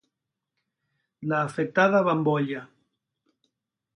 La afectada bambolla